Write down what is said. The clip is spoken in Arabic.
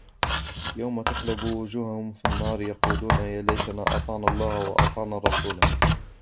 يوم تقلب وجوههم في النار يقولون يا ليتنا أطعنا الله وأطعنا الرسولا